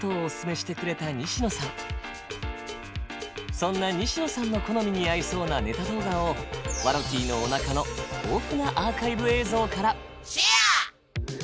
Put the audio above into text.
そんな西野さんの好みに合いそうなネタ動画をワロティのおなかの豊富なアーカイブ映像から「シェア！」。